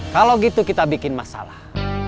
kalau gitu kita bikin masalah